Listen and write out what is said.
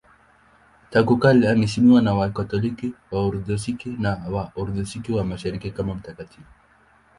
Tangu kale anaheshimiwa na Wakatoliki, Waorthodoksi na Waorthodoksi wa Mashariki kama mtakatifu.